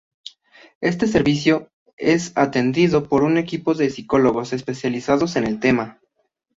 Este servicio es atendido por un equipo de psicólogos especializados en el tema.